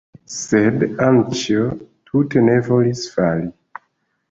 Sed Anĉjo tute ne volis fali.